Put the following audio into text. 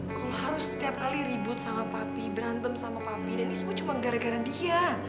kau harus setiap kali ribut sama papi berantem sama papi dan ini semua cuma gara gara dia